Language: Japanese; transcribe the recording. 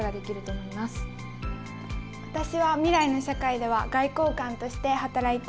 私は未来の社会では外交官として働いていたいです。